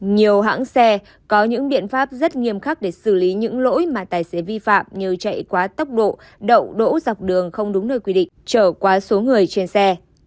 nhiều hãng xe có những biện pháp rất nghiêm khắc để xử lý những lỗi mà tài xế vi phạm như chạy quá tốc độ đậu đỗ dọc đường không đúng nơi quy định trở quá số người trên xe